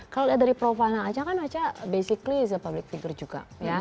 kalau dari profana aca kan aca basically is a public figure juga ya